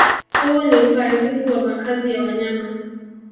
Huu ni uharibifu wa makazi ya wanyama